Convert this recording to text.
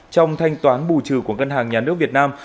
trong thanh toán bù trừ của ngân hàng nhà nước việt nam